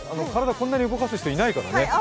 こんなに動かす人いないですからね。